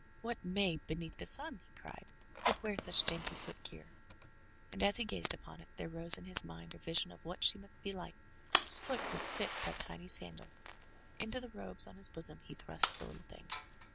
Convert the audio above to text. "What maid beneath the sun/' he cried, "could wear such dainty footgear?'* And as he gazed upon it, there rose in his mind a vision of what she must be like whose foot would fit that tiny sandal. Into the robes on his bosom, he thrust the little thing.